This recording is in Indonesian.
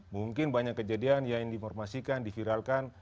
mungkin banyak kejadian yang dimormasikan difiralkan